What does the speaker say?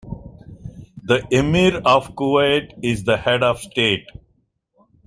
The Emir of Kuwait is the head of state.